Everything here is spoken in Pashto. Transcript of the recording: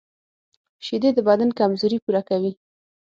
شیدې د بدن کمزوري پوره کوي